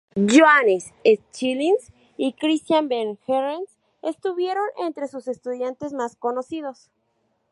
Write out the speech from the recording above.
Johannes Schilling y Christian Behrens estuvieron entre sus estudiantes más conocidos.